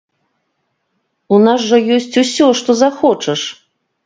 У нас жа ёсць ўсё што захочаш!